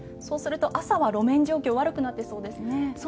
そうすると朝は路面状況が悪くなっていそうですね。